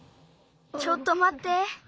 ちょっとまって。